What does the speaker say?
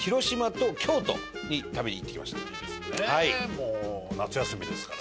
もう夏休みですから。